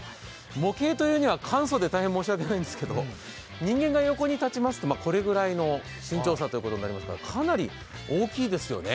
模型というには簡素で大変申し訳ないんですけど人間が横に立ちますとこれぐらいの身長差ということになりますが、かなり大きいですよね。